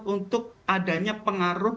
untuk adanya pengaruh